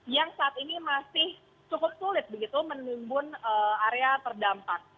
yang saat ini masih cukup sulit begitu menimbun area terdampak